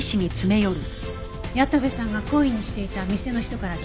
矢田部さんが懇意にしていた店の人から聞きました。